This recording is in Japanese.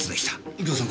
右京さん